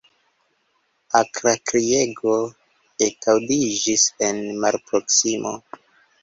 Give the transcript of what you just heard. Akra kriego ekaŭdiĝis en malproksimo.